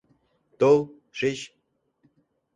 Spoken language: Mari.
Тол, шич.